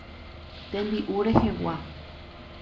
Tembi'u rehegua.